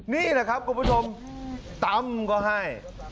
นี่แหละครับคุณผู้ชมตำก็ให้